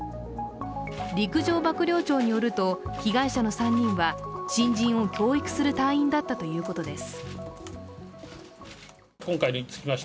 陸上幕僚長によりますと被害者の３人は、新人を教育する隊員だったということです。